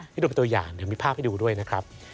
ที่นี่เป็นตัวอย่างมีภาพให้ดูด้วยนะครับ